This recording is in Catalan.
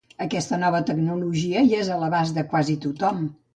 Aquesta nova tecnologia ja és a l’abast de quasi tothom.